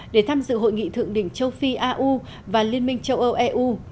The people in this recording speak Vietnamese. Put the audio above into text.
để tham dự hội nghị thượng đỉnh châu phi au và liên minh châu âu eu